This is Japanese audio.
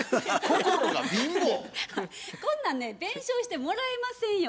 こんなんね弁償してもらえませんよ。